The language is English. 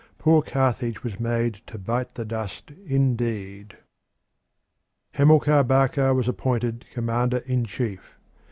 Poor Carthage was made to bite the dust indeed. Hamilcar Barca was appointed commander in chief.